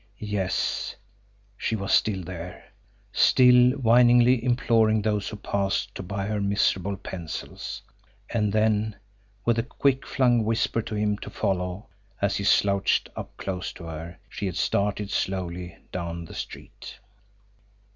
Yes; she was still there, still whiningly imploring those who passed to buy her miserable pencils and then, with a quick flung whisper to him to follow as he slouched up close to her, she had started slowly down the street.